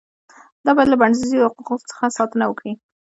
دا باید له بنسټیزو حقوقو څخه ساتنه وکړي.